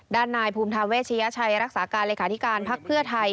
นายภูมิธรรมเวชยชัยรักษาการเลขาธิการพักเพื่อไทย